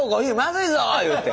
言うて。